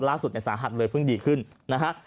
ล่าสุดเนี่ยสาหัสเลยเพิ่งดีขึ้นนะฮะ